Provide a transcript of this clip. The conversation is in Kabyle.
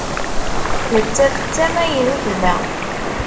Nettat d tamaynut da.